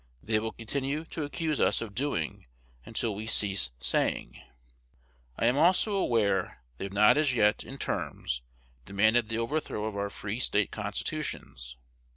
They will continue to accuse us of doing until we cease saying. I am also aware they have not as yet, in terms, demanded the overthrow of our Free State constitutions.